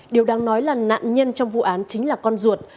điều đáng nói là nạn nhân trong vụ án chính là con ruột